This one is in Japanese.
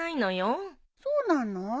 そうなの？